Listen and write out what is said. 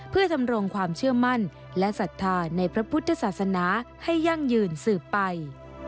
เพื่อดำรงความเชื่อมั่นและศรัทธาในพระพุทธศาสนาให้ยั่งยืนสืบไป